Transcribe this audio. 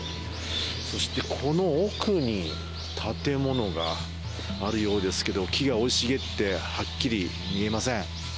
そして、この奥に建物があるようですけど、木が生い茂って、はっきり見えません。